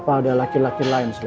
misalnya kali itu pak el truth